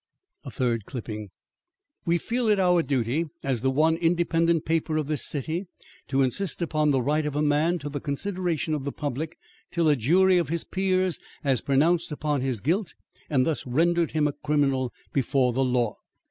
A third clipping: "We feel it our duty, as the one independent paper of this city, to insist upon the right of a man to the consideration of the public till a jury of his peers has pronounced upon his guilt and thus rendered him a criminal before the law.